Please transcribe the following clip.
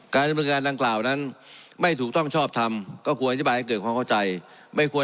การดำเนินการดังกล่าวนั้นไม่ถูกต้องชอบทำก็ควรอธิบายให้เกิดความเข้าใจไม่ควร